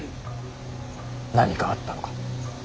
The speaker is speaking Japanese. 何かあったのか？